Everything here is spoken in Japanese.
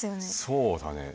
そうだね。